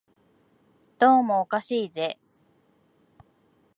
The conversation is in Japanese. どうもおかしいぜ